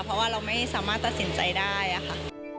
เพราะว่าเราไม่สามารถตัดสินใจได้ค่ะ